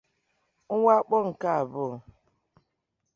Mwakpo nke abụọ.